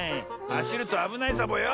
はしるとあぶないサボよ。